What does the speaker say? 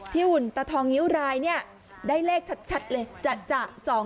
หุ่นตะทองงิ้วรายเนี่ยได้เลขชัดเลยจะ๒๕๖